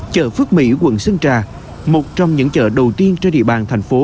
chợ phước mỹ quận sơn trà một trong những chợ đầu tiên trên địa bàn thành phố